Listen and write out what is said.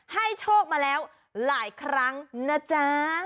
โชคมาแล้วหลายครั้งนะจ๊ะ